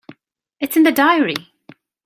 It's in the diary.